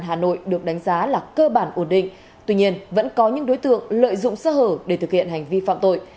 hà nội được đánh giá là cơ bản ổn định tuy nhiên vẫn có những đối tượng lợi dụng sơ hở để thực hiện hành vi phạm tội